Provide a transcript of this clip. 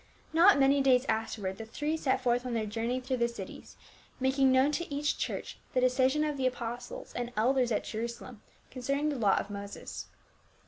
f Not many days afterward the three set forth on their journey through the cities, making known to each church the decision of the apostles and ciders at Jeru salem concerning the law of Moses.